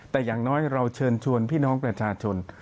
แต่อย่างน้อยเราเชิญชวนพี่น้องประชาชน